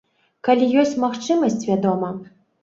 Калі ёсць магчымасць, вядома.